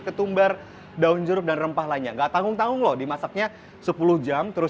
ketumbar daun jeruk dan rempah lainnya enggak tanggung tanggung loh dimasaknya sepuluh jam terus